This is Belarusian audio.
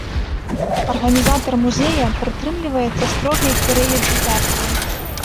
Арганізатар музея прытрымліваецца строгай перыядызацыі.